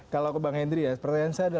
kalau ke bang hendry ya